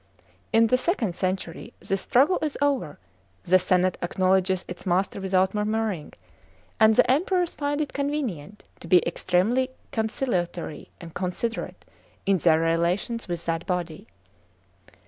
In the second century, this struggle is over ; the senate acknowledges its master without murmuring ; and the Emperors 564 EOMAN WORLD UNDER THE EMPIRE CHAP, xxx find it convenient to be extremely conciliatory and considerate in their relations with that body.